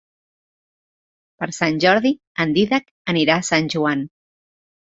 Per Sant Jordi en Dídac anirà a Sant Joan.